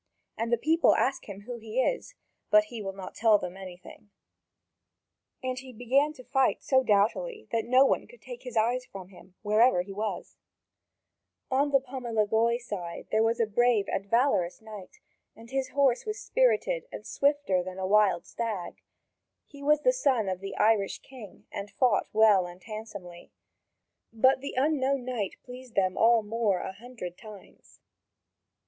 And the people ask him who he is, but he will not tell them anything. (Vv. 5641 6104.) When Lancelot entered the tournament, he was as good as twenty of the best, and he began to fight so doughtily that no one could take his eyes from him, wherever he was. On the Pomelegloi side there was a brave and valorous knight, and his horse was spirited and swifter than a wild stag. He was the son of the Irish king, and fought well and handsomely. But the unknown knight pleased them all more a hundred times.